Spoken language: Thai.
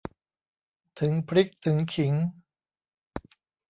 ถึงพริกถึงขิง